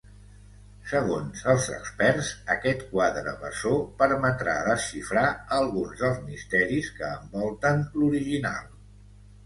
Segons els experts, aquest quadre bessó permetrà desxifrar alguns dels misteris que envolten l'original.